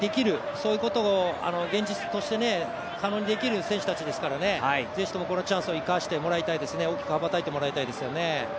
そういうことを現実として可能にできる選手たちですからね、是非ともこのチャンスを生かしてもらいたいですね大きく羽ばたいてもらいたいですよね。